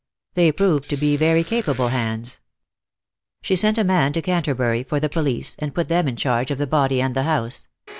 They proved to be very capable hands. She sent a man to Canterbury for the police, and put them in charge of the body and the house.